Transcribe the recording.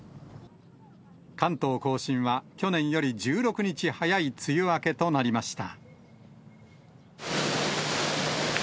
関東甲信は去年より１６日早い梅雨明けとなりました。